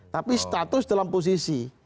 tapi status dalam posisi